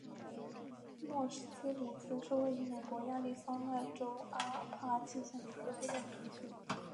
诺斯伍兹是位于美国亚利桑那州阿帕契县的一个非建制地区。